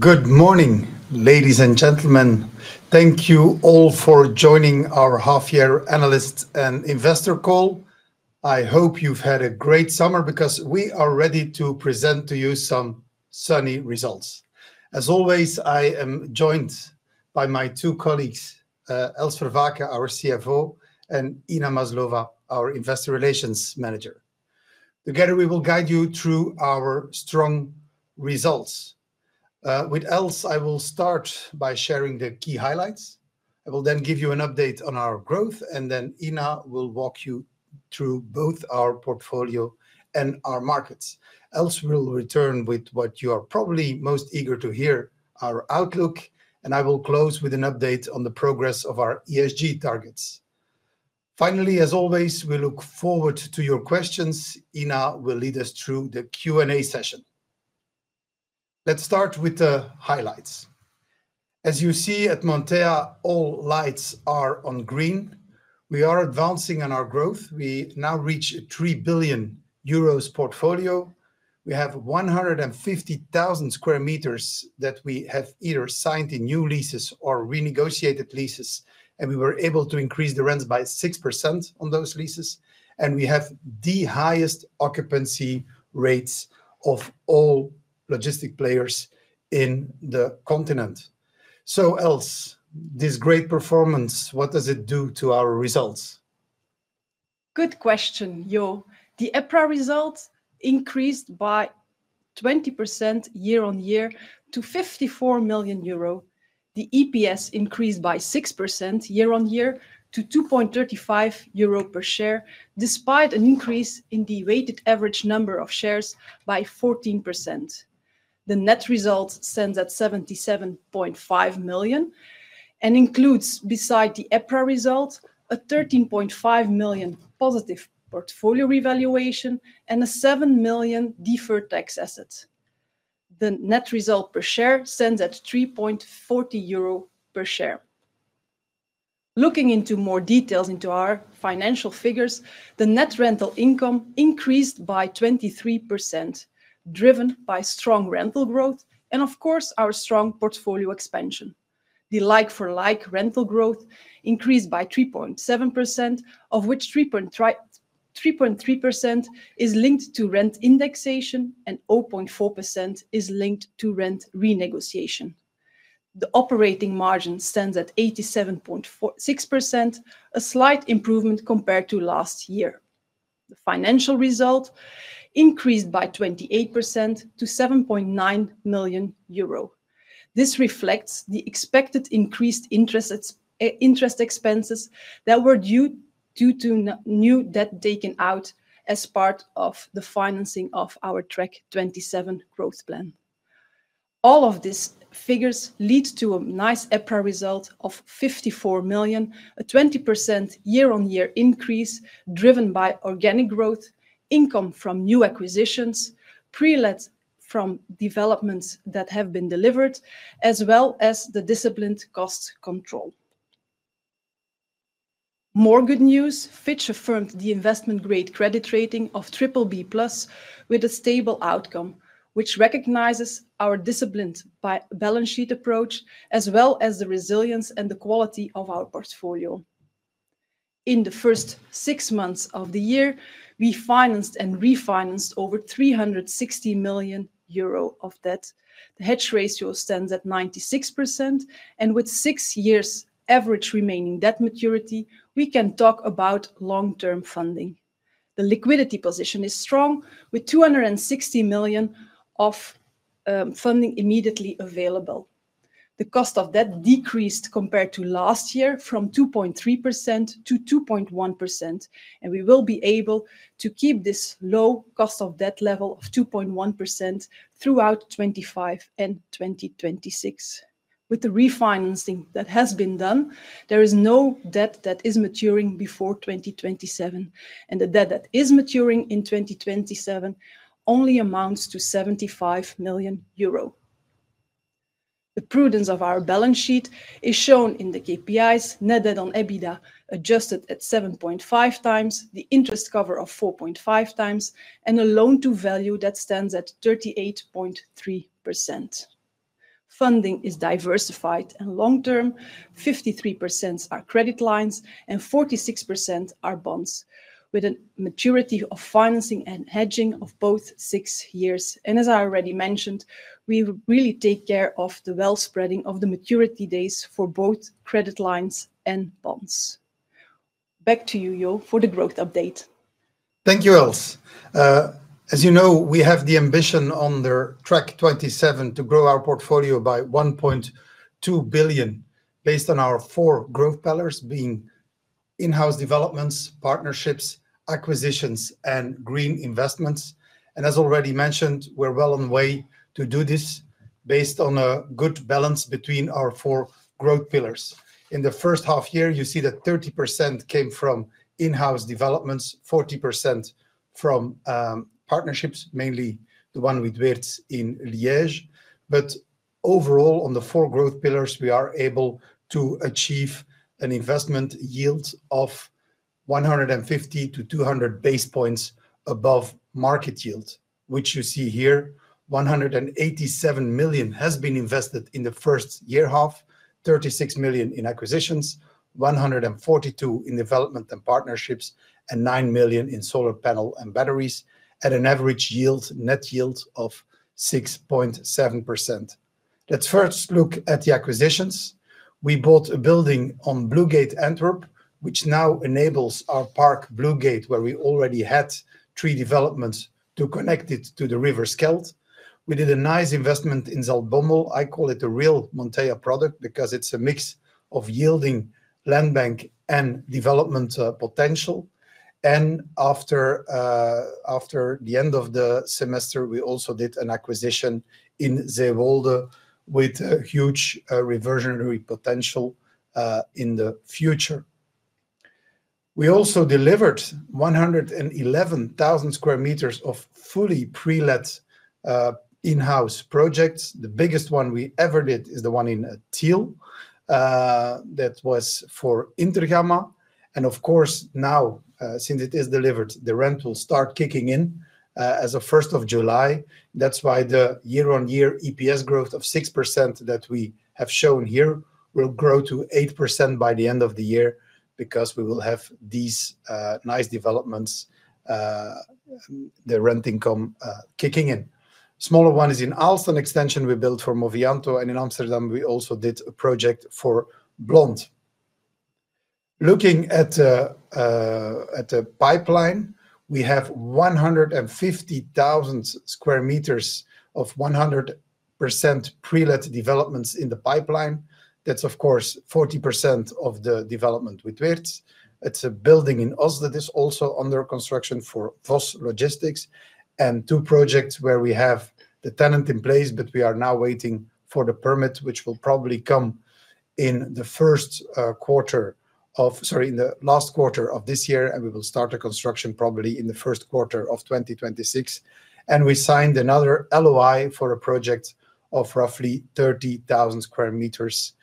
Good morning, ladies and gentlemen. Thank you all for joining our half-year analyst and investor call. I hope you've had a great summer because we are ready to present to you some sunny results. As always, I am joined by my two colleagues, Els Vervaecke, our CFO, and Inna Maslova, our Investor Relations Manager. Together, we will guide you through our strong results. With Els, I will start by sharing the key highlights. I will then give you an update on our growth, and then Inna will walk you through both our portfolio and our markets. Els will return with what you are probably most eager to hear, our outlook, and I will close with an update on the progress of our ESG targets. Finally, as always, we look forward to your questions. Inna will lead us through the Q&A session. Let's start with the highlights. As you see at Montea, all lights are on green. We are advancing in our growth. We now reach a 3 billion euros portfolio. We have 150,000 sq meters that we have either signed in new leases or renegotiated leases, and we were able to increase the rents by 6% on those leases. We have the highest occupancy rates of all logistics players in the continent. Els, this great performance, what does it do to our results? Good question, Jo. The EPRA results increased by 20% year-on-year to 54 million euro. The EPS increased by 6% year-on-year to 2.35 euro per share, despite an increase in the weighted average number of shares by 14%. The net result stands at 77.5 million and includes, besides the EPRA result, a 13.5 million positive portfolio revaluation and a 7 million deferred tax assets. The net result per share stands at 3.40 euro per share. Looking into more details into our financial figures, the net rental income increased by 23%, driven by strong rental growth and, of course, our strong portfolio expansion. The like-for-like rental growth increased by 3.7%, of which 3.3% is linked to rent indexation and 0.4% is linked to rent renegotiation. The operating margin stands at 87.6%, a slight improvement compared to last year. The financial result increased by 28% to 7.9 million euro. This reflects the expected increased interest expenses that were due to new debt taken out as part of the financing of our Track 27 growth plan. All of these figures lead to a nice EPRA result of 54 million, a 20% year-on-year increase driven by organic growth, income from new acquisitions, pre-let from developments that have been delivered, as well as the disciplined cost control. More good news, Fitch affirmed the investment-grade credit rating of BBB+ with a stable outcome, which recognizes our disciplined balance sheet approach, as well as the resilience and the quality of our portfolio. In the first six months of the year, we financed and refinanced over 360 million euro of debt. The hedge ratio stands at 96%, and with six years' average remaining debt maturity, we can talk about long-term funding. The liquidity position is strong, with 260 million of funding immediately available. The cost of debt decreased compared to last year from 2.3%-2.1%, and we will be able to keep this low cost of debt level of 2.1% throughout 2025 and 2026. With the refinancing that has been done, there is no debt that is maturing before 2027, and the debt that is maturing in 2027 only amounts to 75 million euro. The prudence of our balance sheet is shown in the KPIs: net debt on EBITDA adjusted at 7.5x, the interest cover of 4.5x, and a loan-to-value that stands at 38.3%. Funding is diversified and long-term. 53% are credit lines and 46% are bonds, with a maturity of financing and hedging of both six years. As I already mentioned, we really take care of the well-spreading of the maturity days for both credit lines and bonds. Back to you, Jo, for the growth update. Thank you, Els. As you know, we have the ambition under Track 27 to grow our portfolio by 1.2 billion based on our four growth pillars, being in-house developments, partnerships, acquisitions, and green investments. As already mentioned, we're well on the way to do this based on a good balance between our four growth pillars. In the first half year, you see that 30% came from in-house developments, 40% from partnerships, mainly the one with Wirtz in Liège. Overall, on the four growth pillars, we are able to achieve an investment yield of 150-200 basis points above market yield, which you see here. 187 million has been invested in the first year-half, 36 million in acquisitions, 142 million in development and partnerships, and 9 million in solar panels and batteries, at an average net yield of 6.7%. Let's first look at the acquisitions. We bought a building on Blue Gate Antwerp, which now enables our park, Blue Gate, where we already had three developments, to connect it to the river Schelt. We did a nice investment in Zaltbommel. I call it a real Montea product because it's a mix of yielding landbank and development potential. After the end of the semester, we also did an acquisition in Zeewolde with a huge reversionary potential in the future. We also delivered 111,000 sq meters of fully pre-let in-house projects. The biggest one we ever did is the one in Tiel. That was for Intergamma. Of course, now, since it is delivered, the rent will start kicking in as of 1 July. That's why the year-on-year EPS growth of 6% that we have shown here will grow to 8% by the end of the year because we will have these nice developments, the rent income kicking in. The smaller one is in Aalst, an extension we built for Movianto. In Amsterdam, we also did a project for Blond. Looking at the pipeline, we have 150,000 sq meters of 100% pre-let developments in the pipeline. That's, of course, 40% of the development with Wirtz. It's a building in Oss that is also under construction for Voss Logistics and two projects where we have the tenant in place, but we are now waiting for the permit, which will probably come in the last quarter of this year. We will start the construction probably in the first quarter of 2026. We signed another LOI for a project of roughly 30,000 sq meters.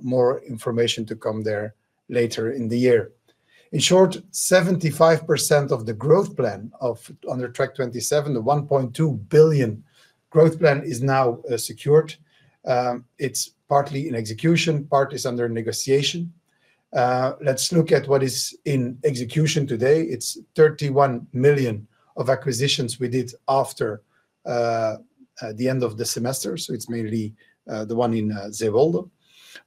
More information to come there later in the year. In short, 75% of the growth plan under Track 27, the 1.2 billion growth plan, is now secured. It's partly in execution, part is under negotiation. Let's look at what is in execution today. It's 31 million of acquisitions we did after the end of the semester. It's mainly the one in Zeewolde.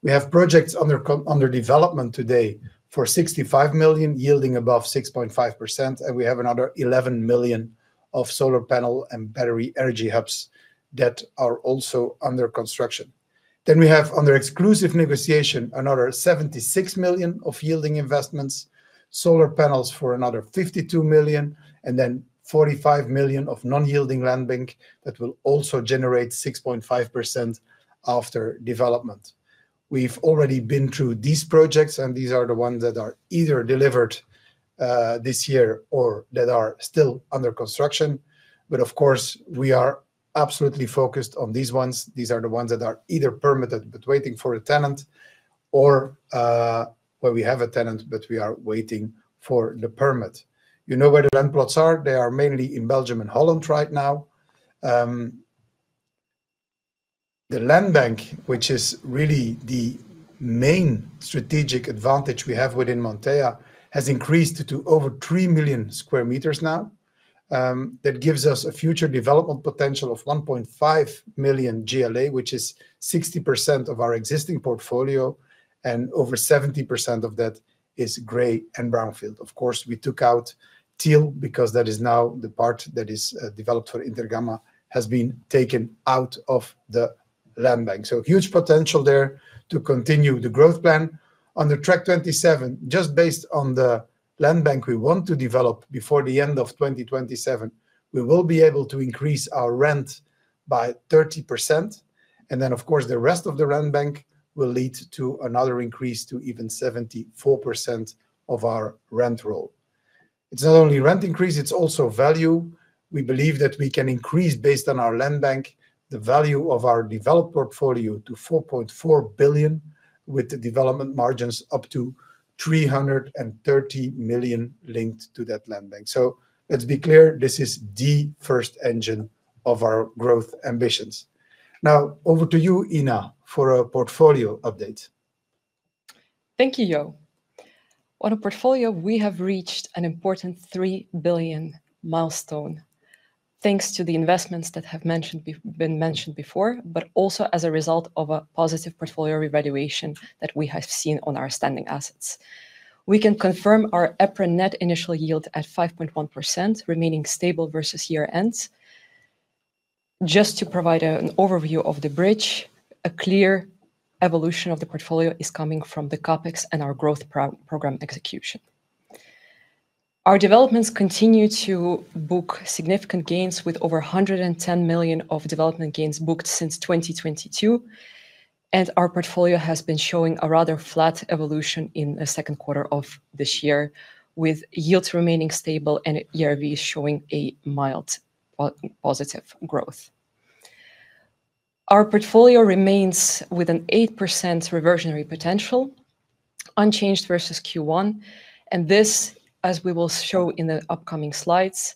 We have projects under development today for 65 million, yielding above 6.5%. We have another 11 million of solar panels and battery energy storage systems that are also under construction. We have under exclusive negotiation another 76 million of yielding investments, solar panels for another 52 million, and 45 million of non-yielding landbank that will also generate 6.5% after development. We've already been through these projects, and these are the ones that are either delivered this year or that are still under construction. We are absolutely focused on these ones. These are the ones that are either permitted but waiting for a tenant or where we have a tenant but we are waiting for the permit. You know where the land plots are. They are mainly in Belgium and Holland right now. The landbank, which is really the main strategic advantage we have within Montea, has increased to over 3 million sq meters now. That gives us a future development potential of 1.5 million GLA, which is 60% of our existing portfolio, and over 70% of that is grey and brownfield. We took out Tiel because that is now the part that is developed for Intergamma, has been taken out of the landbank. Huge potential there to continue the growth plan. Under Track 27, just based on the landbank we want to develop before the end of 2027, we will be able to increase our rent by 30%. The rest of the landbank will lead to another increase to even 74% of our rent roll. It's not only rent increase, it's also value. We believe that we can increase, based on our landbank, the value of our developed portfolio to 4.4 billion, with the development margins up to 330 million linked to that landbank. Let's be clear, this is the first engine of our growth ambitions. Now over to you, Inna, for our portfolio updates. Thank you, Jo. On our portfolio, we have reached an important 3 billion milestone, thanks to the investments that have been mentioned before, but also as a result of a positive portfolio revaluation that we have seen on our standing assets. We can confirm our EPRA net initial yield at 5.1%, remaining stable vs year-ends. Just to provide an overview of the bridge, a clear evolution of the portfolio is coming from the CapEx and our growth program execution. Our developments continue to book significant gains, with over 110 million of development gains booked since 2022. Our portfolio has been showing a rather flat evolution in the second quarter of this year, with yields remaining stable and ERVs showing a mild positive growth. Our portfolio remains with an 8% reversionary potential, unchanged vs Q1. As we will show in the upcoming slides,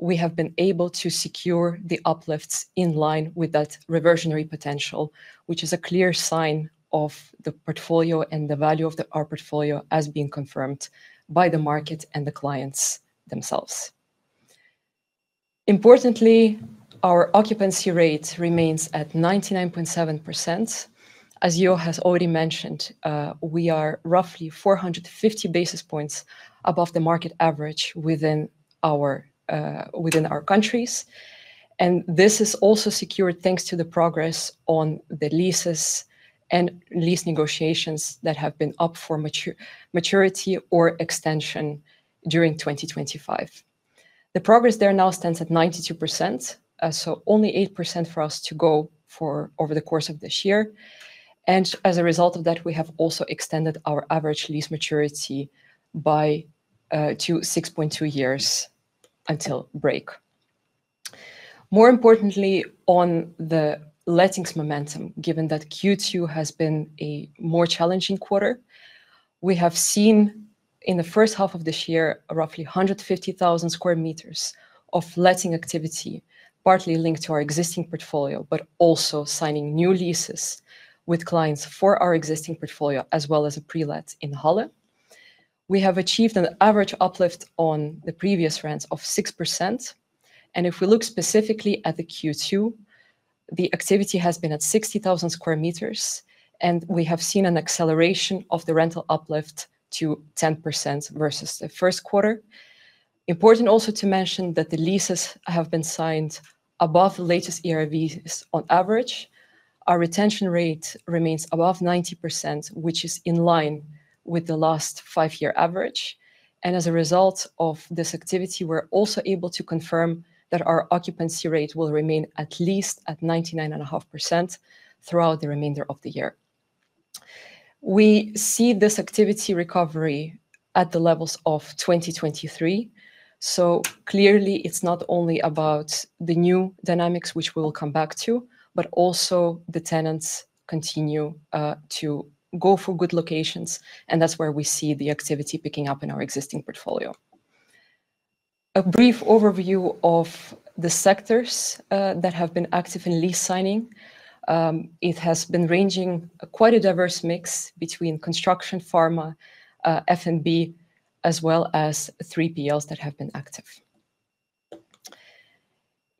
we have been able to secure the uplifts in line with that reversionary potential, which is a clear sign of the portfolio and the value of our portfolio as being confirmed by the market and the clients themselves. Importantly, our occupancy rate remains at 99.7%. As Jo has already mentioned, we are roughly 450 basis points above the market average within our countries. This is also secured thanks to the progress on the leases and lease negotiations that have been up for maturity or extension during 2025. The progress there now stands at 92%, so only 8% for us to go for over the course of this year. As a result of that, we have also extended our average lease maturity by 6.2 years until break. More importantly, on the lettings momentum, given that Q2 has been a more challenging quarter, we have seen in the first half of this year roughly 150,000 sq meters of letting activity, partly linked to our existing portfolio, but also signing new leases with clients for our existing portfolio, as well as a pre-let in Holland. We have achieved an average uplift on the previous rents of 6%. If we look specifically at Q2, the activity has been at 60,000 sq meters, and we have seen an acceleration of the rental uplift to 10% vs the first quarter. It is important also to mention that the leases have been signed above the latest ERVs on average. Our retention rate remains above 90%, which is in line with the last five-year average. As a result of this activity, we're also able to confirm that our occupancy rate will remain at least at 99.5% throughout the remainder of the year. We see this activity recovery at the levels of 2023. Clearly, it's not only about the new dynamics, which we will come back to, but also the tenants continue to go for good locations, and that's where we see the activity picking up in our existing portfolio. A brief overview of the sectors that have been active in lease signing: it has been ranging quite a diverse mix between construction, pharma, F&B, as well as 3PLs that have been active.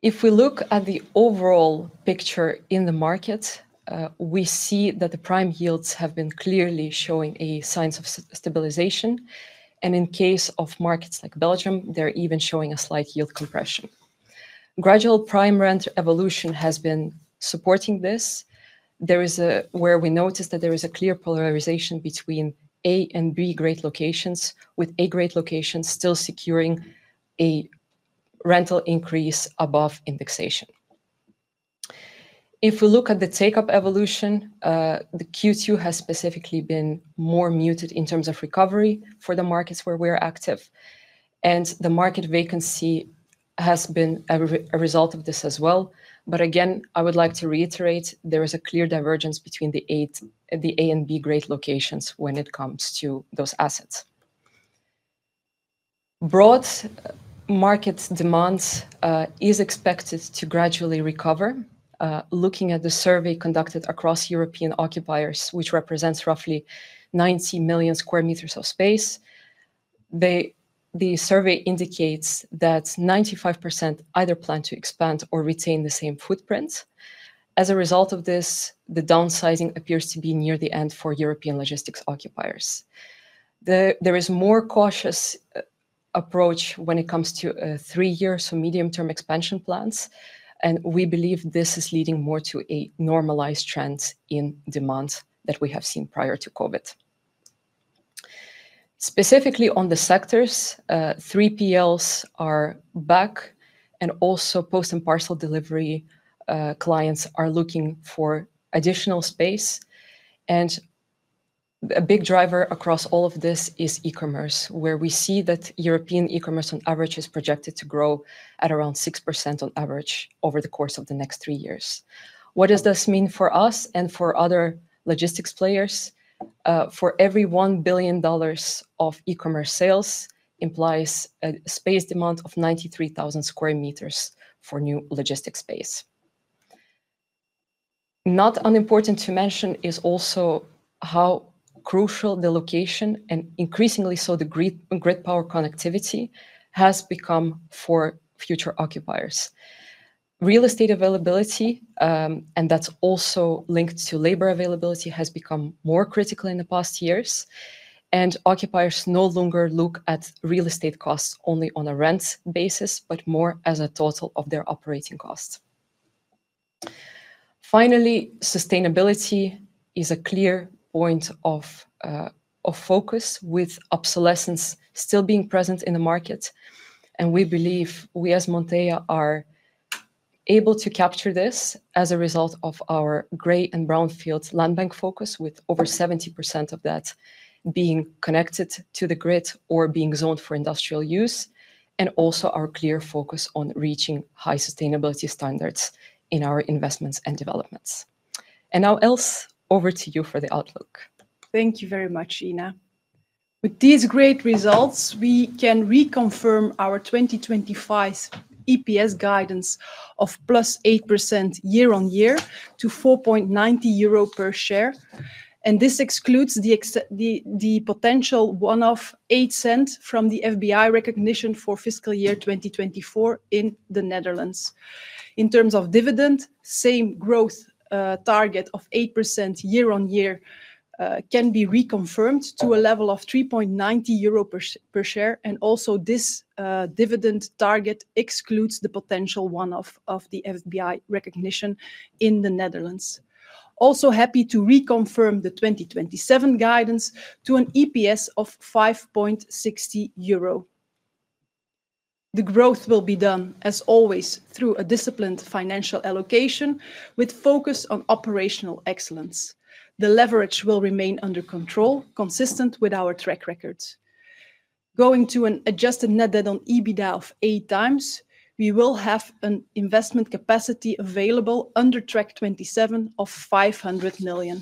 If we look at the overall picture in the market, we see that the prime yields have been clearly showing signs of stabilization. In case of markets like Belgium, they're even showing a slight yield compression. Gradual prime rent evolution has been supporting this. There is, where we notice that there is a clear polarization between A and B grade locations, with A grade locations still securing a rental increase above indexation. If we look at the take-up evolution, Q2 has specifically been more muted in terms of recovery for the markets where we're active, and the market vacancy has been a result of this as well. Again, I would like to reiterate, there is a clear divergence between the A and B grade locations when it comes to those assets. Broad market demand is expected to gradually recover. Looking at the survey conducted across European occupiers, which represents roughly 90 million sq meters of space, the survey indicates that 95% either plan to expand or retain the same footprint. As a result of this, the downsizing appears to be near the end for European logistics occupiers. There is a more cautious approach when it comes to three-year or medium-term expansion plans, and we believe this is leading more to a normalized trend in demand that we have seen prior to COVID. Specifically on the sectors, 3PLs are back, and also post and parcel delivery clients are looking for additional space. A big driver across all of this is e-commerce, where we see that European e-commerce on average is projected to grow at around 6% on average over the course of the next three years. What does this mean for us and for other logistics players? For every $1 billion of e-commerce sales implies a space demand of 93,000 sq meters for new logistics space. Not unimportant to mention is also how crucial the location and increasingly so the grid power connectivity has become for future occupiers. Real estate availability, and that's also linked to labor availability, has become more critical in the past years. Occupiers no longer look at real estate costs only on a rent basis, but more as a total of their operating costs. Finally, sustainability is a clear point of focus with obsolescence still being present in the market. We believe we as Montea are able to capture this as a result of our grey and brownfield landbank focus, with over 70% of that being connected to the grid or being zoned for industrial use, and also our clear focus on reaching high sustainability standards in our investments and developments. Els, over to you for the outlook. Thank you very much, Inna. With these great results, we can reconfirm our 2025 EPS guidance of plus 8% year-on-year to 4.90 euro per share. This excludes the potential one-off 0.08 from the FBI recognition for fiscal year 2024 in the Netherlands. In terms of dividend, the same growth target of 8% year-on-year can be reconfirmed to a level of 3.90 euro per share. This dividend target also excludes the potential one-off of the FBI recognition in the Netherlands. We are also happy to reconfirm the 2027 guidance to an EPS of 5.60 euro. The growth will be done, as always, through a disciplined financial allocation with focus on operational excellence. The leverage will remain under control, consistent with our track records. Going to an adjusted net debt on EBITDA of eight times, we will have an investment capacity available under Track 27 of 500 million.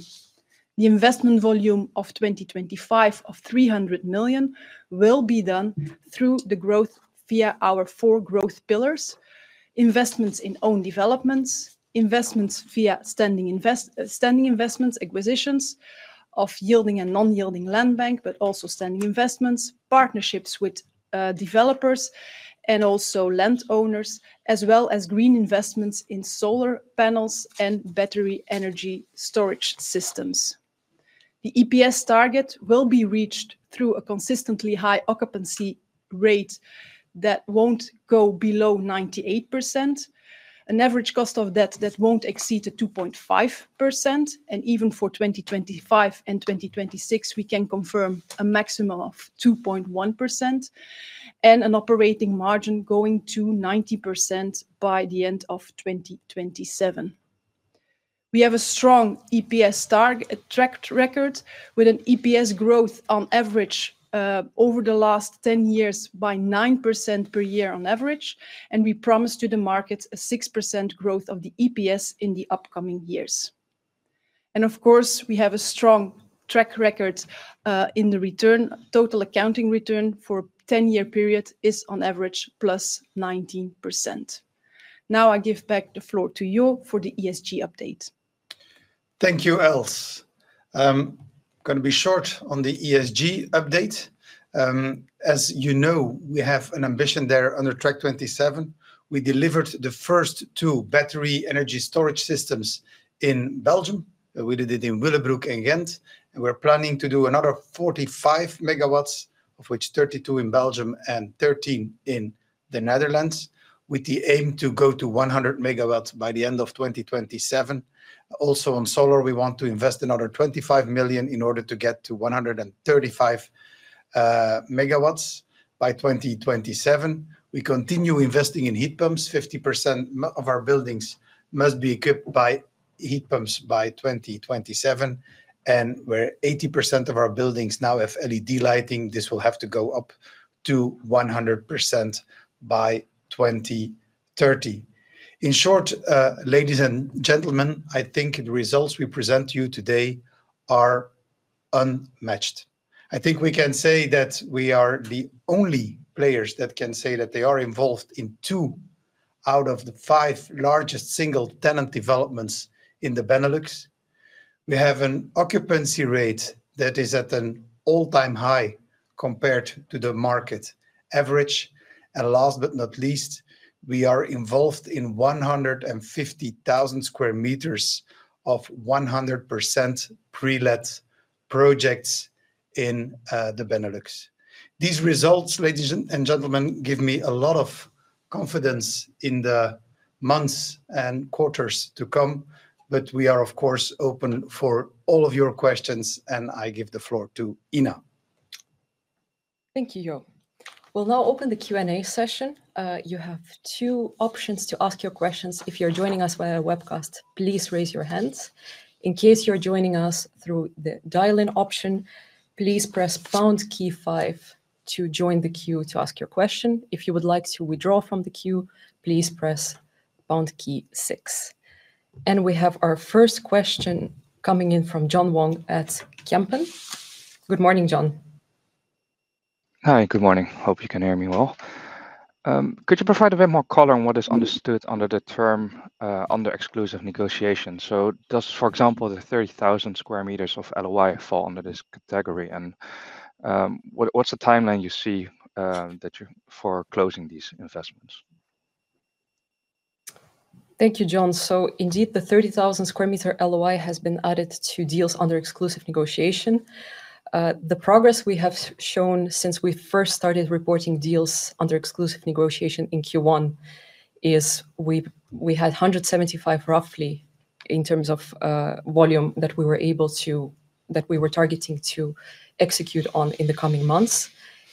The investment volume of 2025 of 300 million will be done through the growth via our four growth pillars: investments in owned developments, investments via standing investments, acquisitions of yielding and non-yielding landbank, but also standing investments, partnerships with developers and also landowners, as well as green investments in solar panels and battery energy storage systems. The EPS target will be reached through a consistently high occupancy rate that won't go below 98%, an average cost of debt that won't exceed 2.5%. For 2025 and 2026, we can confirm a maximum of 2.1% and an operating margin going to 90% by the end of 2027. We have a strong EPS track record with an EPS growth on average over the last 10 years by 9% per year on average. We promise to the market a 6% growth of the EPS in the upcoming years. We have a strong track record in the return. Total accounting return for a 10-year period is on average plus 19%. Now I give back the floor to Jo for the ESG update. Thank you, Els. I'm going to be short on the ESG update. As you know, we have an ambition there under Track 27. We delivered the first two battery energy storage systems in Belgium. We did it in Willebroek and Ghent. We're planning to do another 45 MW, of which 32 in Belgium and 13 in the Netherlands, with the aim to go to 100 MW by the end of 2027. Also on solar, we want to invest another 25 million in order to get to 135 MW by 2027. We continue investing in heat pumps. 50% of our buildings must be equipped by heat pumps by 2027. Where 80% of our buildings now have LED lighting, this will have to go up to 100% by 2030. In short, ladies and gentlemen, I think the results we present to you today are unmatched. I think we can say that we are the only players that can say that they are involved in two out of the five largest single-tenant developments in the Benelux. We have an occupancy rate that is at an all-time high compared to the market average. Last but not least, we are involved in 150,000 sq meters of 100% pre-let projects in the Benelux. These results, ladies and gentlemen, give me a lot of confidence in the months and quarters to come. We are, of course, open for all of your questions, and I give the floor to Inna. Thank you, Jo. We'll now open the Q&A session. You have two options to ask your questions. If you're joining us via webcast, please raise your hands. In case you're joining us through the dial-in option, please press pound key five to join the queue to ask your question. If you would like to withdraw from the queue, please press pound key six. We have our first question coming in from John Wong at [Kempen]. Good morning, John. Hi, good morning. Hope you can hear me well. Could you provide a bit more color on what is understood under the term under exclusive negotiation? Does, for example, the 30,000 sq meters of LOI fall under this category? What's the timeline you see for closing these investments? Thank you, John. Indeed, the 30,000 sq meters LOI has been added to deals under exclusive negotiation. The progress we have shown since we first started reporting deals under exclusive negotiation in Q1 is we had 175 roughly in terms of volume that we were able to, that we were targeting to execute on in the coming months.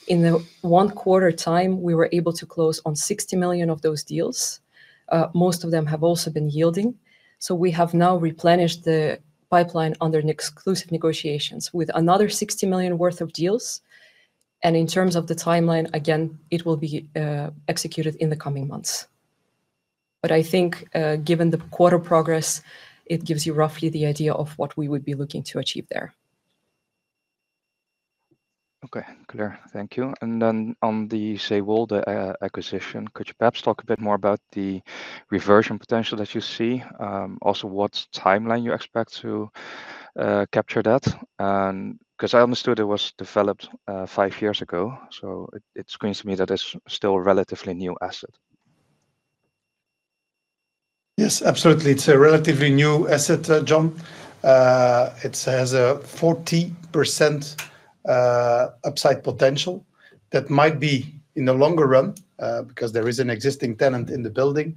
In the one-quarter time, we were able to close on 60 million of those deals. Most of them have also been yielding. We have now replenished the pipeline under exclusive negotiations with another 60 million worth of deals. In terms of the timeline, again, it will be executed in the coming months. I think given the quarter progress, it gives you roughly the idea of what we would be looking to achieve there. Okay, Claire, thank you. On the Zeewolde acquisition, could you perhaps talk a bit more about the reversionary potential that you see? Also, what's the timeline you expect to capture that? I understood it was developed five years ago. It screams to me that it's still a relatively new asset. Yes, absolutely. It's a relatively new asset, John. It has a 40% upside potential that might be in the longer run because there is an existing tenant in the building.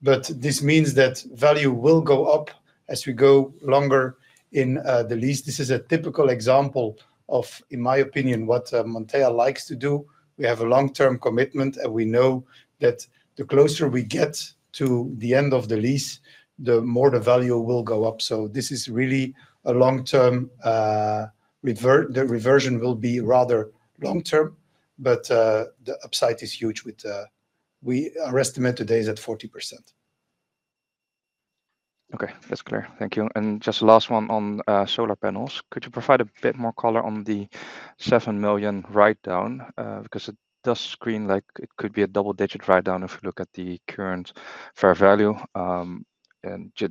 This means that value will go up as we go longer in the lease. This is a typical example of, in my opinion, what Montea likes to do. We have a long-term commitment, and we know that the closer we get to the end of the lease, the more the value will go up. This is really a long-term reversion and will be rather long-term. The upside is huge with our estimate today at 40%. OK, that's clear. Thank you. Just the last one on solar panels. Could you provide a bit more color on the $7 million write-down? It does screen like it could be a double-digit write-down if you look at the current fair value.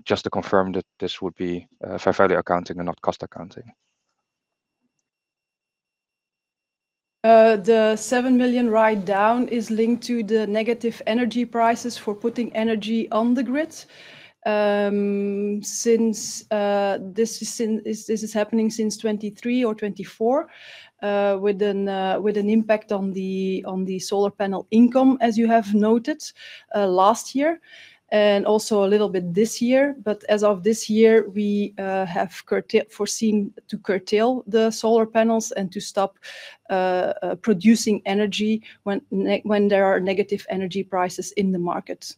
Just to confirm that this would be fair value accounting and not cost accounting. The 7 million write-down is linked to the negative energy prices for putting energy on the grid. Since this is happening since 2023 or 2024, with an impact on the solar panel income, as you have noted last year and also a little bit this year. As of this year, we have foreseen to curtail the solar panels and to stop producing energy when there are negative energy prices in the market.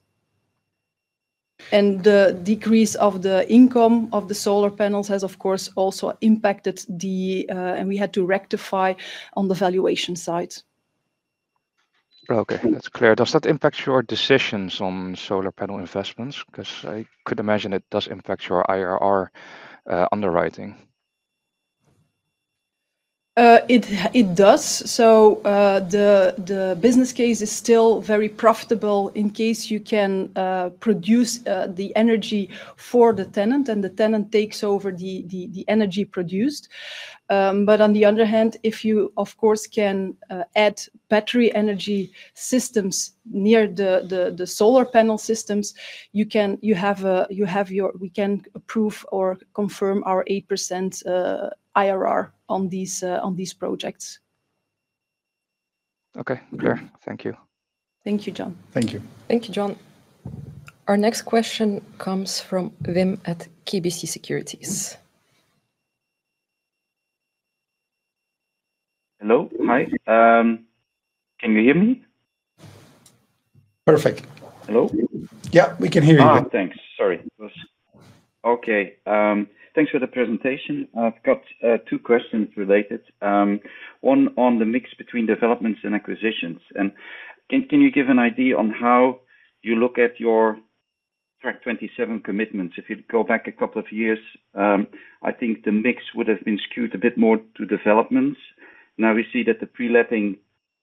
The decrease of the income of the solar panels has, of course, also impacted the, and we had to rectify on the valuation side. Okay, that's clear. Does that impact your decisions on solar panel investments? I could imagine it does impact your IRR underwriting. It does. The business case is still very profitable in case you can produce the energy for the tenant, and the tenant takes over the energy produced. On the other hand, if you can add battery energy storage systems near the solar panel systems, we can approve or confirm our 8% IRR on these projects. OK, Claire, thank you. Thank you, John. Thank you. Thank you, John. Our next question comes from Wim at KBC Securities. Hello, hi. Can you hear me? Perfect. Hello? Yeah, we can hear you. thanks. Sorry. Okay. Thanks for the presentation. I've got two questions related. One on the mix between developments and acquisitions. Can you give an idea on how you look at your Track 27 commitments? If you go back a couple of years, I think the mix would have been skewed a bit more to developments. Now we see that the pre-letting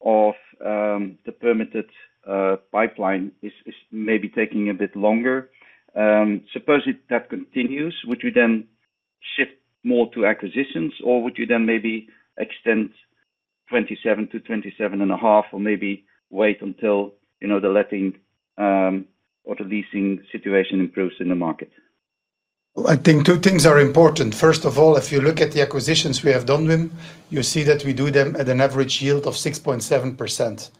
of the permitted pipeline is maybe taking a bit longer. Suppose that continues, would you then shift more to acquisitions, or would you then maybe extend '27 to '27 and a half, or maybe wait until, you know, the letting or the leasing situation improves in the market? I think two things are important. First of all, if you look at the acquisitions we have done, Wim, you see that we do them at an average yield of 6.7%.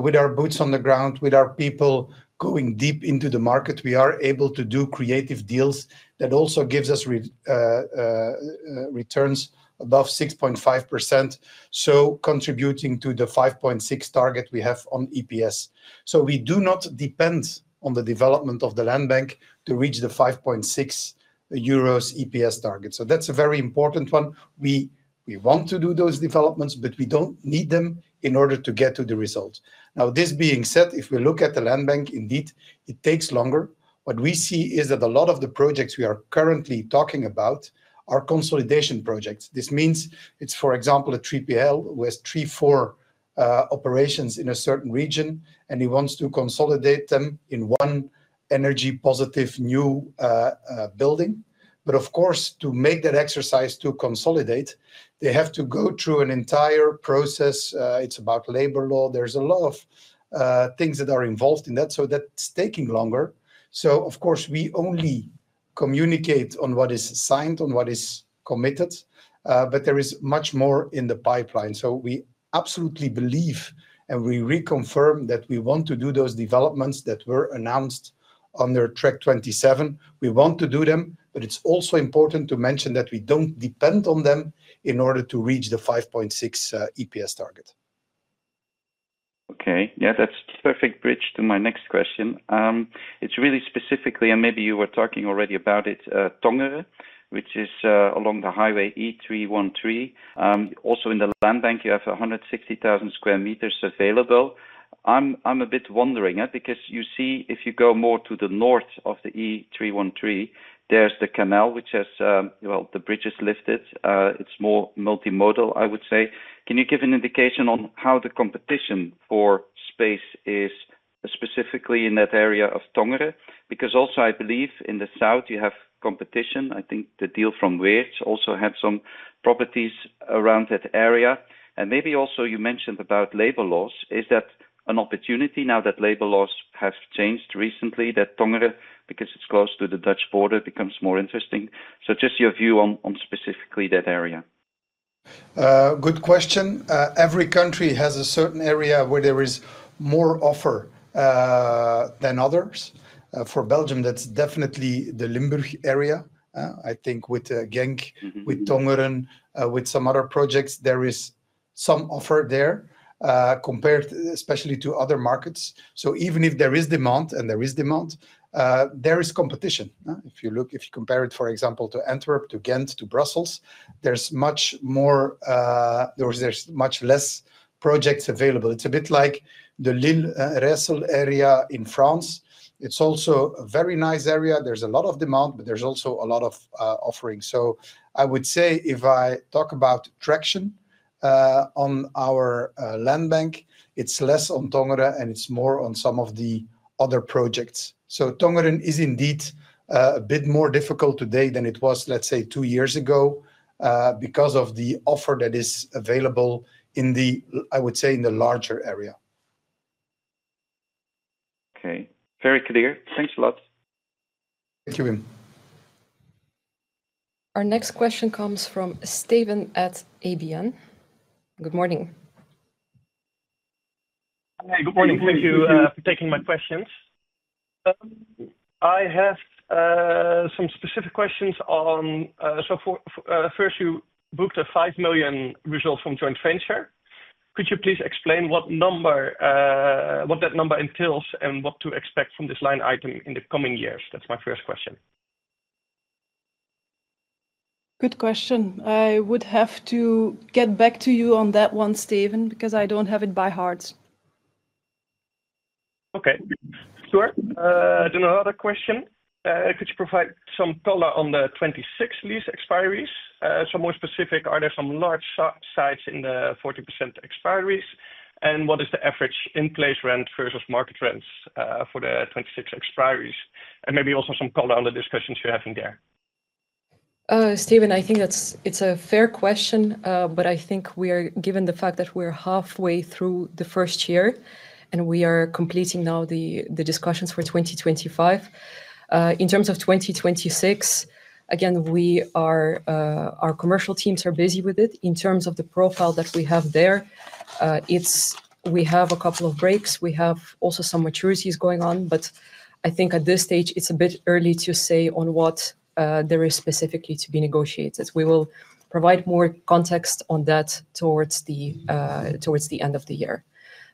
With our boots on the ground, with our people going deep into the market, we are able to do creative deals that also give us returns above 6.5%, contributing to the 5.6% target we have on EPS. We do not depend on the development of the landbank to reach the 5.6 euros EPS target. That's a very important one. We want to do those developments, but we don't need them in order to get to the result. This being said, if we look at the landbank, indeed, it takes longer. What we see is that a lot of the projects we are currently talking about are consolidation projects. This means it's, for example, a 3PL who has three, four operations in a certain region, and he wants to consolidate them in one energy-positive new building. Of course, to make that exercise to consolidate, they have to go through an entire process. It's about labor law. There's a lot of things that are involved in that. That's taking longer. We only communicate on what is signed, on what is committed. There is much more in the pipeline. We absolutely believe and we reconfirm that we want to do those developments that were announced under Track 27. We want to do them, but it's also important to mention that we don't depend on them in order to reach the 5.6% EPS target. Okay, yeah, that's a perfect bridge to my next question. It's really specifically, and maybe you were talking already about it, Tongere, which is along the highway E313. Also, in the landbank, you have 160,000 sq meters available. I'm a bit wondering, because you see if you go more to the north of the E313, there's the canal, which has, the bridge is lifted. It's more multimodal, I would say. Can you give an indication on how the competition for space is specifically in that area of Tongere? Because also, I believe in the south, you have competition. I think the deal from Wirtz also had some properties around that area. Maybe also you mentioned about labor laws. Is that an opportunity now that labor laws have changed recently, that Tongere, because it's close to the Dutch border, becomes more interesting? Just your view on specifically that area. Good question. Every country has a certain area where there is more offer than others. For Belgium, that's definitely the Limburg area. I think with Genk, with Tongeren, with some other projects, there is some offer there, compared especially to other markets. Even if there is demand, and there is demand, there is competition. If you compare it, for example, to Antwerp, to Ghent, to Brussels, there's much less projects available. It's a bit like the Lille-Resel area in France. It's also a very nice area. There's a lot of demand, but there's also a lot of offering. I would say if I talk about traction on our landbank, it's less on Tongeren, and it's more on some of the other projects. Tongeren is indeed a bit more difficult today than it was, let's say, two years ago because of the offer that is available in the larger area. Okay, very clear. Thanks a lot. Thank you, Wim. Our next question comes from Steven at ABN. Good morning. Hi, good morning. Thank you for taking my questions. I have some specific questions on, first, you booked a 5 million result from joint venture. Could you please explain what that number entails and what to expect from this line item in the coming years? That's my first question. Good question. I would have to get back to you on that one, Steven, because I don't have it by heart. Okay, sure. I do another question. Could you provide some color on the 2026 lease expiry? More specifically, are there some large sites in the 40% expiry? What is the average in-place rent versus market rents for the 2026 expiry? Maybe also some color on the discussions you're having there. Steven, I think it's a fair question, but I think we are, given the fact that we are halfway through the first year and we are completing now the discussions for 2025. In terms of 2026, again, our commercial teams are busy with it. In terms of the profile that we have there, we have a couple of breaks. We have also some maturities going on. I think at this stage, it's a bit early to say on what there is specifically to be negotiated. We will provide more context on that towards the end of the year.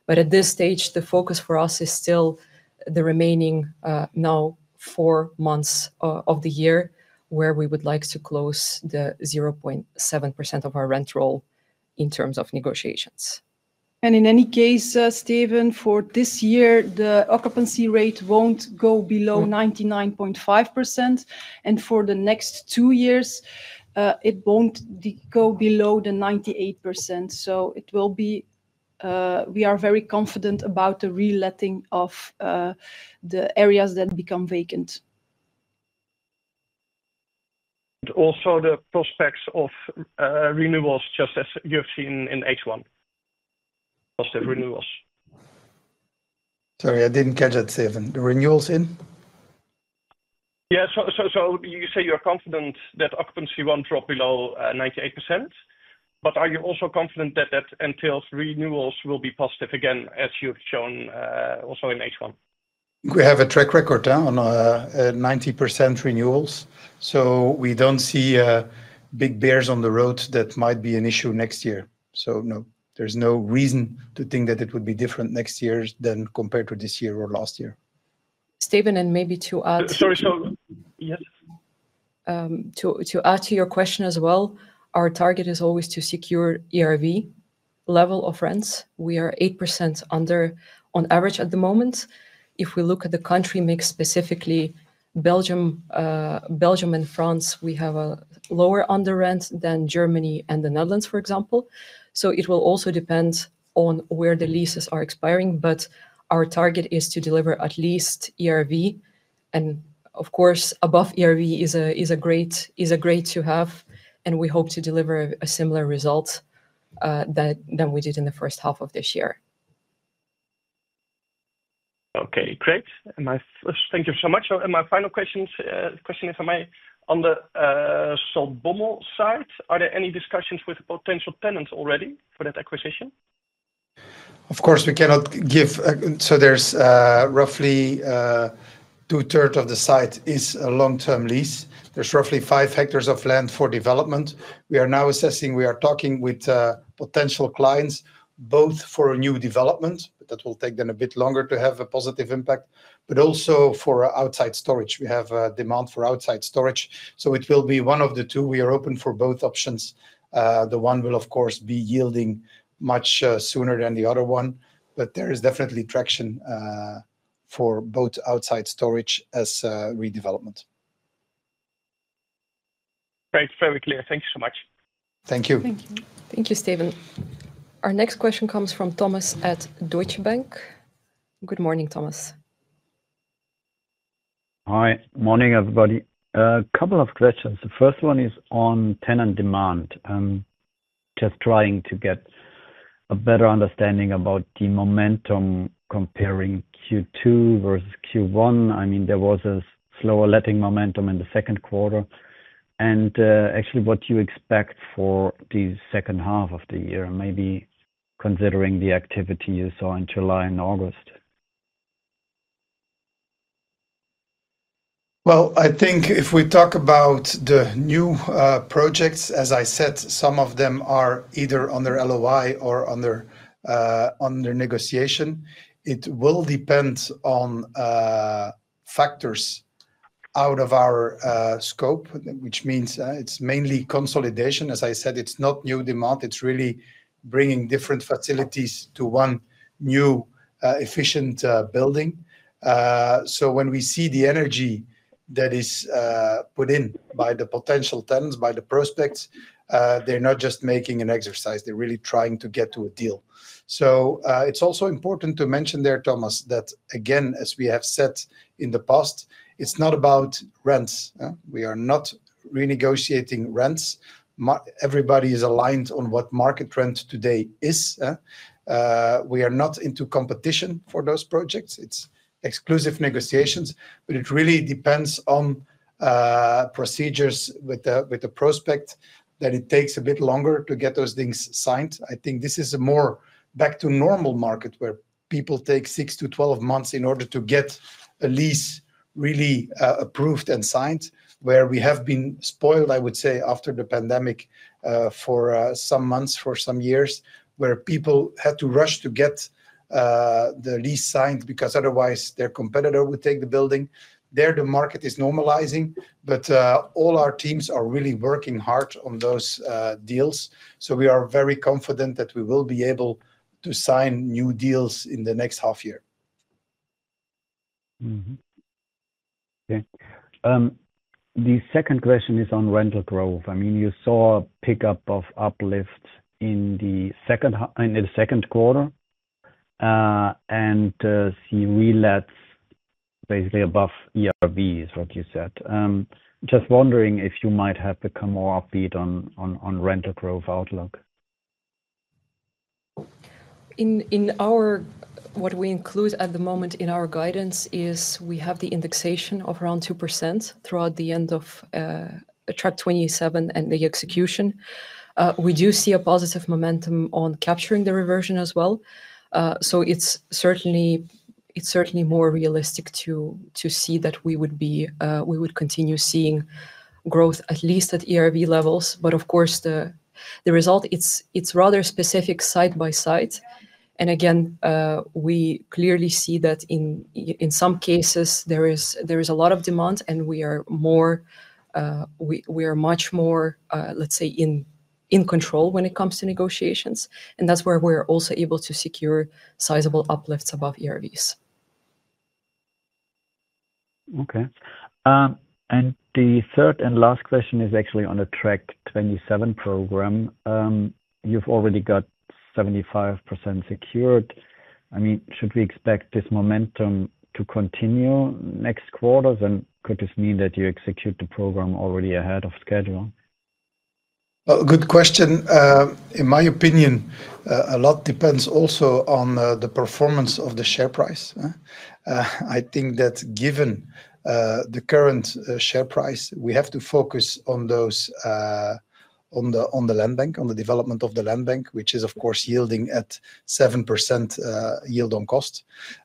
At this stage, the focus for us is still the remaining now four months of the year where we would like to close the 0.7% of our rent roll in terms of negotiations. In any case, Steven, for this year, the occupancy rate won't go below 99.5%. For the next two years, it won't go below 98%. It will be, we are very confident about the re-letting of the areas that become vacant. Also, the prospects of renewables, just as you have seen in H1, positive renewables. Sorry, I didn't catch that, Steven. The renewables in? You say you are confident that occupancy won't drop below 98%. Are you also confident that that entails renewables will be positive again, as you've shown also in H1? We have a track record now on 90% renewables. We don't see big bears on the road that might be an issue next year. There's no reason to think that it would be different next year compared to this year or last year. Steven, and maybe to add to your question as well, our target is always to secure ERV level of rents. We are 8% under on average at the moment. If we look at the country mix, specifically Belgium and France, we have a lower under rent than Germany and the Netherlands, for example. It will also depend on where the leases are expiring. Our target is to deliver at least ERV. Of course, above ERV is a great to have. We hope to deliver a similar result than we did in the first half of this year. Okay, great. Thank you so much. My final question is, am I on the Zaltbommel site? Are there any discussions with potential tenants already for that acquisition? Of course, we cannot give, so there's roughly two-thirds of the site is a long-term lease. There's roughly five hectares of land for development. We are now assessing, we are talking with potential clients both for a new development that will take them a bit longer to have a positive impact, but also for outside storage. We have a demand for outside storage. It will be one of the two. We are open for both options. One will, of course, be yielding much sooner than the other one. There is definitely traction for both outside storage as redevelopment. Great, very clear. Thank you so much. Thank you. Thank you, Steven. Our next question comes from Thomas at Deutsche Bank. Good morning, Thomas. Hi, morning, everybody. A couple of questions. The first one is on tenant demand. I'm just trying to get a better understanding about the momentum comparing Q2 vs Q1. There was a slower letting momentum in the second quarter. What do you expect for the second half of the year, maybe considering the activity you saw in July and August? I think if we talk about the new projects, as I said, some of them are either under LOI or under negotiation. It will depend on factors out of our scope, which means it's mainly consolidation. As I said, it's not new demand. It's really bringing different facilities to one new efficient building. When we see the energy that is put in by the potential tenants, by the prospects, they're not just making an exercise. They're really trying to get to a deal. It's also important to mention there, Thomas, that again, as we have said in the past, it's not about rents. We are not renegotiating rents. Everybody is aligned on what market rent today is. We are not into competition for those projects. It's exclusive negotiations. It really depends on procedures with the prospect that it takes a bit longer to get those things signed. I think this is a more back-to-normal market where people take 6-12 months in order to get a lease really approved and signed, where we have been spoiled, I would say, after the pandemic for some months, for some years, where people had to rush to get the lease signed because otherwise their competitor would take the building. The market is normalizing. All our teams are really working hard on those deals. We are very confident that we will be able to sign new deals in the next half year. Okay. The second question is on rental growth. You saw a pickup of uplift in the second quarter, and the re-lets basically above ERV is what you said. I'm just wondering if you might have a more update on rental growth outlook. In our, what we include at the moment in our guidance is we have the indexation of around 2% throughout the end of Track 27 and the execution. We do see a positive momentum on capturing the reversion as well. It's certainly more realistic to see that we would be, we would continue seeing growth at least at ERV levels. Of course, the result, it's rather specific side by side. Again, we clearly see that in some cases, there is a lot of demand, and we are much more, let's say, in control when it comes to negotiations. That's where we are also able to secure sizable uplifts above ERVs. Okay. The third and last question is actually on the Track 27 program. You've already got 75% secured. I mean, should we expect this momentum to continue next quarter? Could this mean that you execute the program already ahead of schedule? Good question. In my opinion, a lot depends also on the performance of the share price. I think that given the current share price, we have to focus on the landbank, on the development of the landbank, which is, of course, yielding at 7% yield on cost.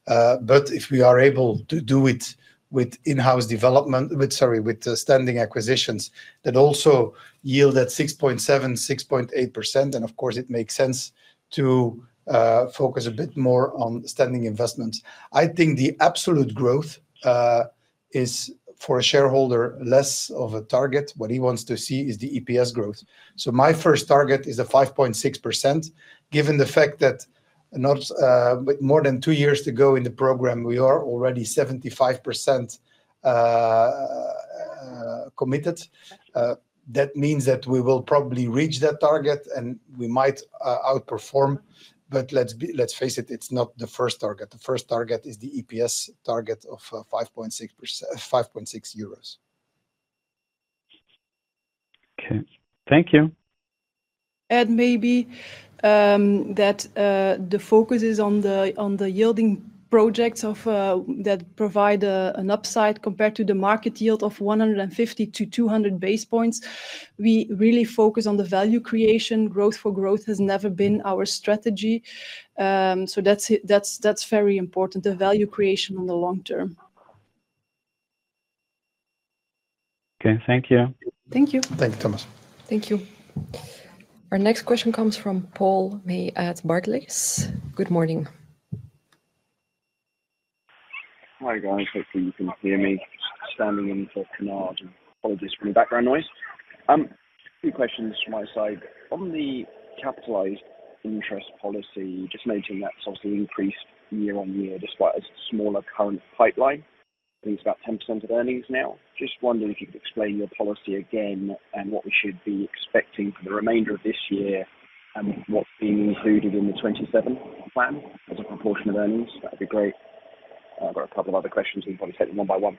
If we are able to do it with in-house development, with standing acquisitions that also yield at 6.7%, 6.8%, then of course, it makes sense to focus a bit more on standing investments. I think the absolute growth is, for a shareholder, less of a target. What he wants to see is the EPS growth. My first target is a 5.6%, given the fact that with more than two years to go in the program, we are already 75% committed. That means that we will probably reach that target, and we might outperform. Let's face it, it's not the first target. The first target is the EPS target of 5.6. Okay, thank you. Add maybe that the focus is on the yielding projects that provide an upside compared to the market yield of 150- 200 bps. We really focus on the value creation. Growth for growth has never been our strategy. That's very important, the value creation on the long term. Okay, thank you. Thank you. Thank you, Thomas. Thank you. Our next question comes from Paul at Barcley's. Good morning. Hi, guys. Hopefully, you can hear me. Standing in for Inna Maslova, and apologies for the background noise. A few questions from my side. On the capitalized interest policy, just noting that it's obviously increased year on year despite a smaller current pipeline. I think it's about 10% of earnings now. Just wondering if you could explain your policy again and what we should be expecting for the remainder of this year and what's being included in the Track 27 plan as a proportion of earnings. That'd be great. I've got a couple of other questions, and we'll probably take them one by one.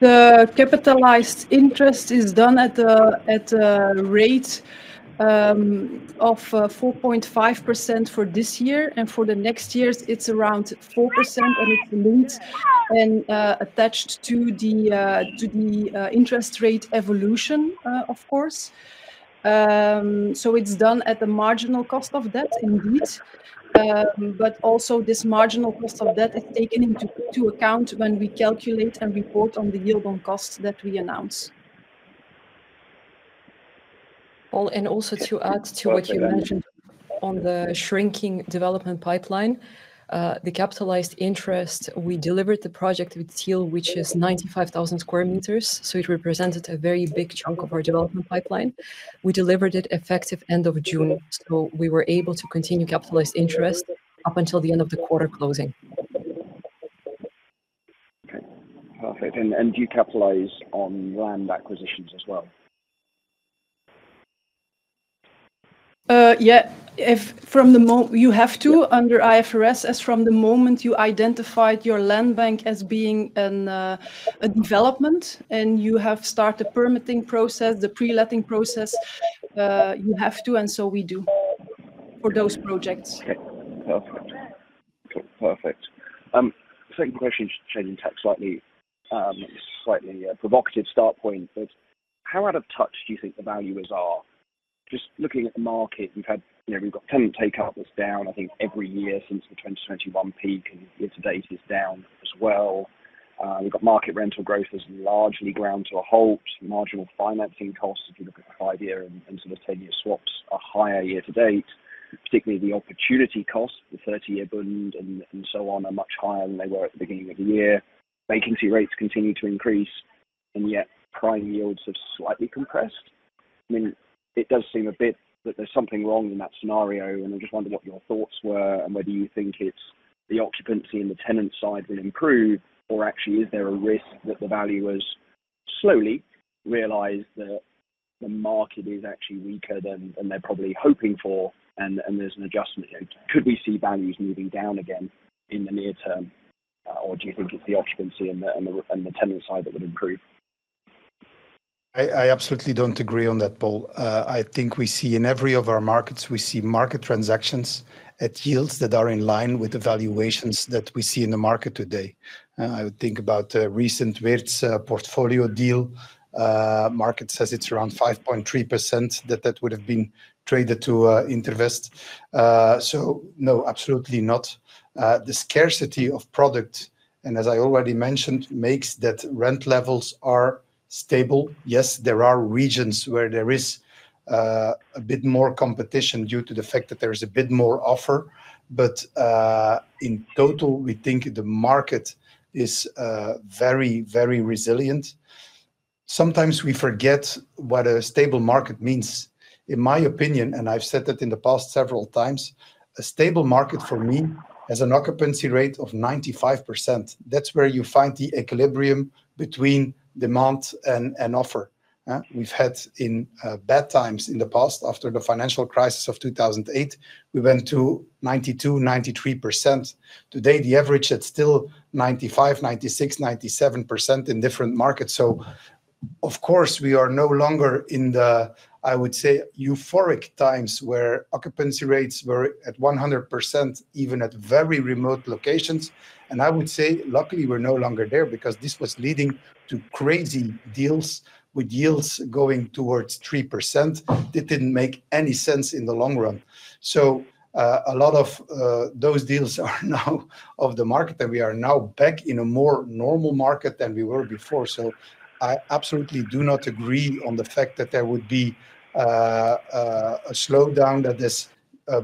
The capitalized interest is done at a rate of 4.5% for this year. For the next years, it's around 4% on equal loans and attached to the interest rate evolution, of course. It's done at the marginal cost of debt, indeed. Also, this marginal cost of debt is taken into account when we calculate and report on the yield on cost that we announce. Paul, to add to what you mentioned on the shrinking development pipeline, the capitalized interest, we delivered the project with Tiel, which is 95,000 sq meters. It represented a very big chunk of our development pipeline. We delivered it effective end of June, so we were able to continue capitalized interest up until the end of the quarter closing. Okay, perfect. Do you capitalize on land acquisitions as well? Yeah, from the moment you have to under IFRS, as from the moment you identified your landbank as being a development and you have started the permitting process, the pre-letting process, you have to. We do for those projects. Okay, perfect. Second question, just changing tack slightly. It's a slightly provocative start point. How out of touch do you think the value is? Just looking at the market, you've had tenant take-up was down, I think, every year since the 2021 peak, and year to date is down as well. We've got market rental growth has largely ground to a halt. Marginal financing costs, if you look at five-year and sort of 10-year swaps, are higher year to date. Particularly the opportunity costs, the 30-year bund and so on, are much higher than they were at the beginning of the year. Vacancy rates continue to increase, yet prime yields have slightly compressed. It does seem a bit that there's something wrong in that scenario. I just wonder what your thoughts were and whether you think it's the occupancy and the tenant side will improve, or actually, is there a risk that the value was slowly realized that the market is actually weaker than they're probably hoping for and there's an adjustment. Could we see values moving down again in the near term, or do you think it's the occupancy and the tenant side that would improve? I absolutely don't agree on that, Paul. I think we see in every of our markets, we see market transactions at yields that are in line with the valuations that we see in the market today. I would think about a recent Wirtz portfolio deal. The market says it's around 5.3% that that would have been traded to Intervist. No, absolutely not. The scarcity of product, and as I already mentioned, makes that rent levels are stable. Yes, there are regions where there is a bit more competition due to the fact that there is a bit more offer. In total, we think the market is very, very resilient. Sometimes we forget what a stable market means. In my opinion, and I've said that in the past several times, a stable market for me has an occupancy rate of 95%. That's where you find the equilibrium between demand and offer. We've had bad times in the past. After the financial crisis of 2008, we went to 92%, 93%. Today, the average is still 95%, 96%, 97% in different markets. Of course, we are no longer in the, I would say, euphoric times where occupancy rates were at 100%, even at very remote locations. I would say, luckily, we're no longer there because this was leading to crazy deals with yields going towards 3%. That didn't make any sense in the long run. A lot of those deals are now off the market. We are now back in a more normal market than we were before. I absolutely do not agree on the fact that there would be a slowdown that is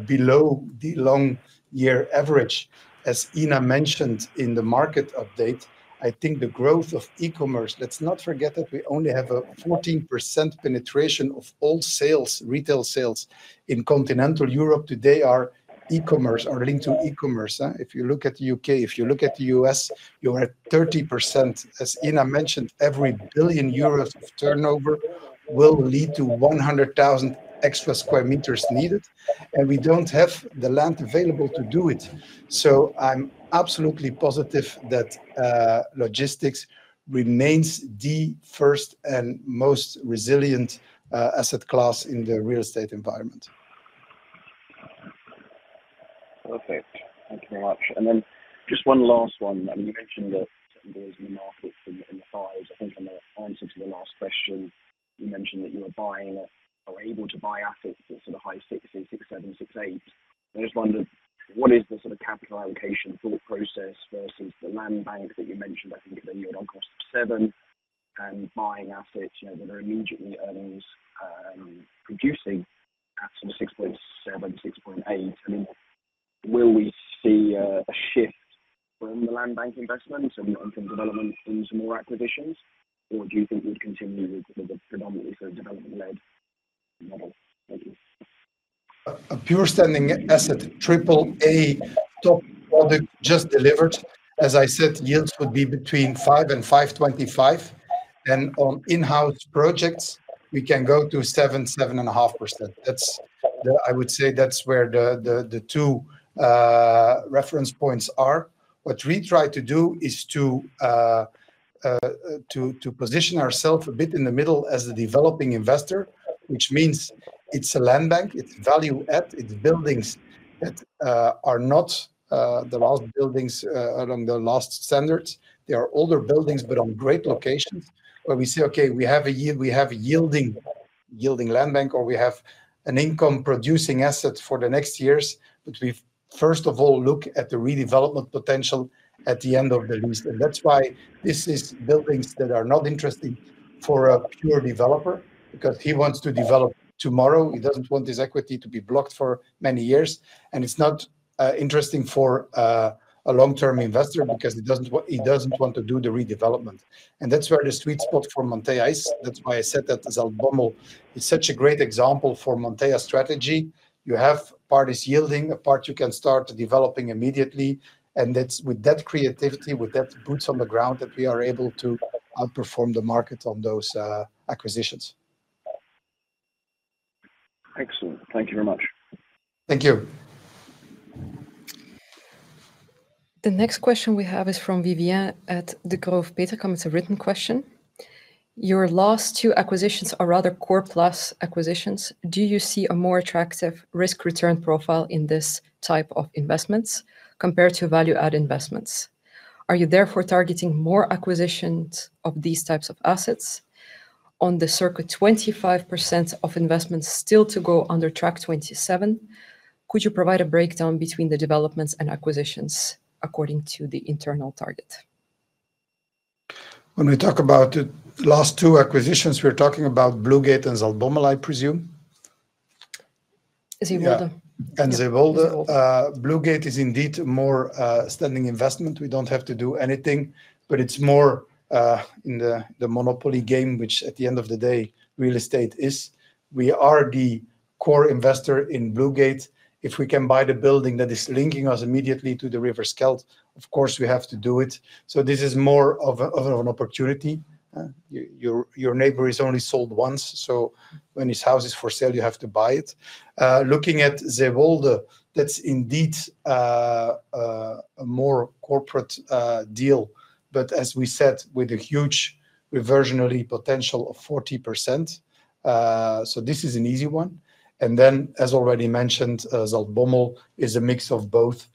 below the long-year average. As Inna mentioned in the market update, I think the growth of e-commerce, let's not forget that we only have a 14% penetration of all sales, retail sales in continental Europe today, are e-commerce, are linked to e-commerce. If you look at the U.K., if you look at the U.S., you are at 30%. As Inna mentioned, every billion euros of turnover will lead to 100,000 extra sq metes needed. We don't have the land available to do it. I'm absolutely positive that logistics remains the first and most resilient asset class in the real estate environment. Perfect. Thank you very much. Just one last one. You mentioned the boys in the markets in the fives. I think in the answer to the last question, you mentioned that you were buying or able to buy assets at sort of high 6%, 6.7%, 6.8%. I just wonder, what is the sort of capital allocation thought process versus the landbank that you mentioned? I think at a yield on cost of 7% and buying assets that are immediately earnings-reducing at sort of 6.7%, 6.8%. Will we see a shift from the landbank investment and some of the oncoming development into more acquisitions? Do you think we'd continue with predominantly for development? A pure standing asset, triple A top product just delivered. As I said, yields could be between 5% and 5.25%. On in-house projects, we can go to 7%, 7.5%. I would say that's where the two reference points are. What we try to do is to position ourselves a bit in the middle as a developing investor, which means it's a landbank. It's value-added. It's buildings that are not the last buildings along the last standards. They are older buildings, but on great locations where we say, Okay, we have a yielding landbank or we have an income-producing asset for the next years. We first of all look at the redevelopment potential at the end of the lease. That's why this is buildings that are not interesting for a pure developer because he wants to develop tomorrow. He doesn't want his equity to be blocked for many years. It's not interesting for a long-term investor because he doesn't want to do the redevelopment. That's where the sweet spot for Montea is. That's why I said that Zaltbommel is such a great example for Montea's strategy. You have part is yielding, a part you can start developing immediately. With that creativity, with that boots on the ground, we are able to outperform the market on those acquisitions. Excellent. Thank you very much. Thank you. The next question we have is from Vivien at De Groof. Peter comes with a written question. Your last two acquisitions are rather core-plus acquisitions. Do you see a more attractive risk-return profile in this type of investments compared to value-add investments? Are you therefore targeting more acquisitions of these types of assets on the circa 25% of investments still to go under Track 27? Could you provide a breakdown between the developments and acquisitions according to the internal target? When we talk about the last two acquisitions, we're talking about Blue Gate Antwerp and Zaltbommel, I presume? Blue Gate Antwerp is indeed a more standing investment. We don't have to do anything, but it's more in the monopoly game, which at the end of the day, real estate is. We are the core investor in Blue Gate Antwerp. If we can buy the building that is linking us immediately to the river Schelt, of course, we have to do it. This is more of an opportunity. Your neighbor is only sold once, so when his house is for sale, you have to buy it. Looking at Zeewolde, that's indeed a more corporate deal, with a huge reversionary potential of 40%. This is an easy one. As already mentioned, Zaltbommel is a mix of both.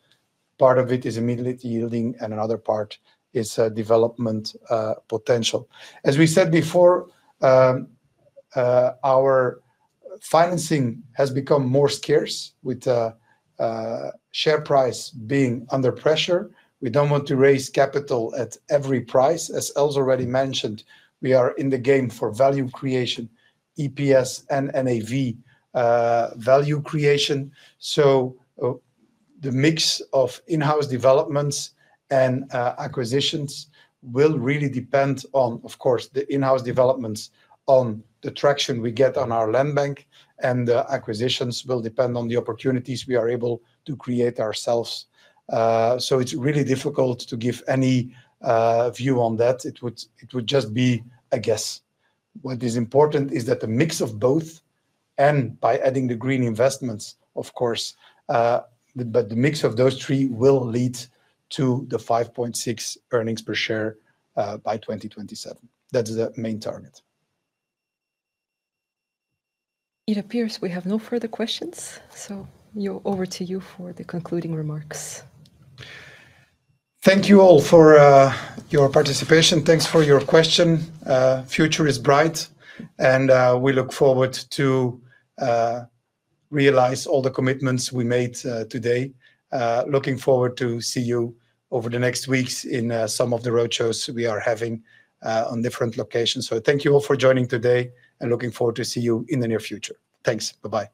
Part of it is immediately yielding, and another part is development potential. As we said before, our financing has become more scarce, with the share price being under pressure. We don't want to raise capital at every price. As Els Vervaecke already mentioned, we are in the game for value creation, EPS, and NAV value creation. The mix of in-house developments and acquisitions will really depend on, of course, the in-house developments on the traction we get on our landbank, and the acquisitions will depend on the opportunities we are able to create ourselves. It's really difficult to give any view on that. It would just be a guess. What is important is the mix of both and by adding the green investments, of course. The mix of those three will lead to the 5.6% earnings per share by 2027. That is the main target. It appears we have no further questions. Over to you for the concluding remarks. Thank you all for your participation. Thanks for your question. The future is bright. We look forward to realize all the commitments we made today. We are looking forward to seeing you over the next weeks in some of the roadshows we are having at different locations. Thank you all for joining today. We are looking forward to seeing you in the near future. Thanks. Bye-bye.